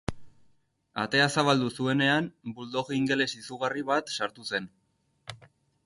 Atea zabaldu zuenean, bulldog ingeles izugarri bat sartu zen.